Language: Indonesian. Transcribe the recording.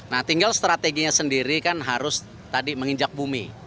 nah tinggal strateginya sendiri kan harus tadi menginjak bumi